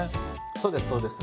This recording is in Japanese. そうですそうです。